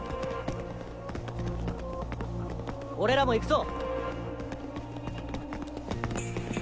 俺らも行くぞ。